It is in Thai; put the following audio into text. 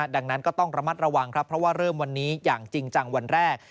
ดังนั้นก็ต้องระมัดระวังครับเพราะว่าเริ่มวันนี้อย่างจริงจังวันแรก